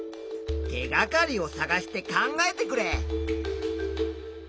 手がかりをさがして考えてくれ。